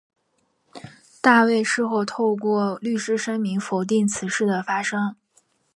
大卫事后透过律师声明否定此事的发生。